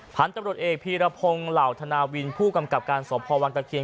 พันธุ์ตำรวจเอกพีรพงศ์เหล่าธนาวินผู้กำกับการสพวังตะเคียน